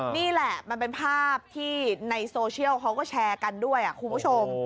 นี่แหละมันเป็นภาพที่ในโซเชียลเขาก็แชร์กันด้วยคุณผู้ชม